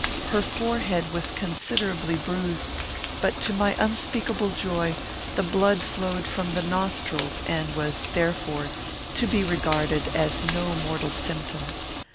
Her forehead was considerably bruised; but, to my unspeakable joy, the blood flowed from the nostrils, and was, therefore, to be regarded as no mortal symptom.